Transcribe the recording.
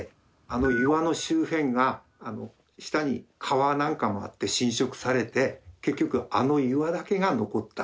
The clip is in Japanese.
あの岩の周辺が下に川なんかもあって侵食されて結局あの岩だけが残った。